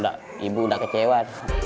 tapi ibu udah kecewa